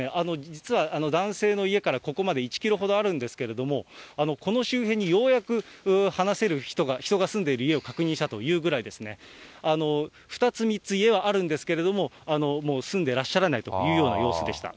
実は、男性の家からここまで１キロほどあるんですけれども、この周辺にようやく話せる人が、人が住んでいる家を確認したというぐらい、２つ、３つ、家はあるんですけれども、もう住んでらっしゃらないというような様子でした。